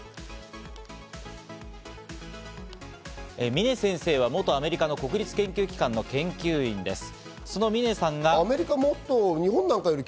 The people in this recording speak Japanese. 峰先生は元アメリカの国立研究機関の研究員です。